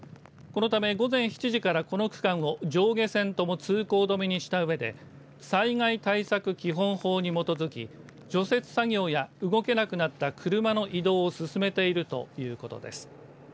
このため午前７時からこの区間を上下線とも通行止めにしたうえで災害対策基本法に基づき除雪作業や動けなくなった車の移動を進めているということです。